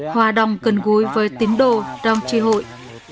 hòa đồng gần gối với tín đồ trong tri hội